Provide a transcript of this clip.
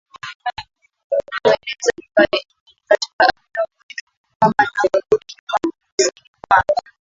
uenezaji wa Injili katika Afrika ulikwama na kurudi nyuma Kusini mwa